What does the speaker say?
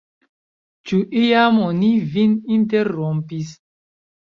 Ĉu iam oni vin interrompis?